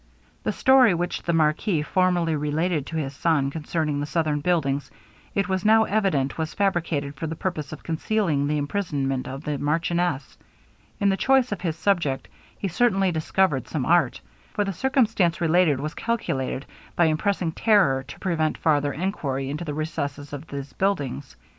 The story which the marquis formerly related to his son, concerning the southern buildings, it was now evident was fabricated for the purpose of concealing the imprisonment of the marchioness. In the choice of his subject, he certainly discovered some art; for the circumstance related was calculated, by impressing terror, to prevent farther enquiry into the recesses of these buildings.